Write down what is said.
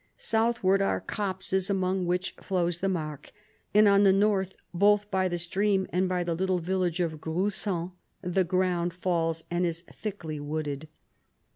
Southward are copses among which flows the Marcq, and on the north, both by the stream and by the little village of Gruson, the ground falls and is thickly wooded.